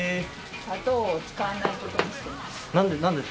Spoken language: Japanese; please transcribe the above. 砂糖を使わないことにしてます。